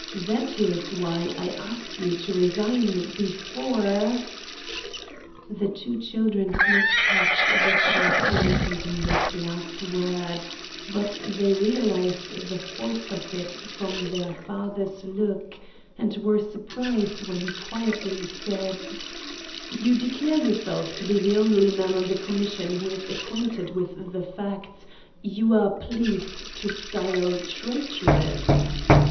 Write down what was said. That is why I ask you to resign before—' "The two children did not catch the threat latent in that last word, but they realized the force of it from their father's look and were surprised when he quietly said: "'You declare yourself to be the only man on the commission who is acquainted with the facts you are pleased to style traitorous?